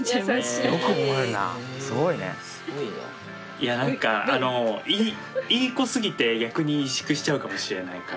いや何かいい子すぎて逆に萎縮しちゃうかもしれないかな。